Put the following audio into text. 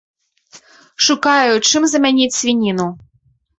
Шукаю, чым замяніць свініну.